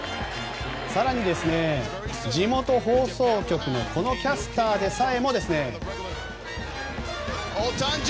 更に、地元放送局のこのキャスターでさえ。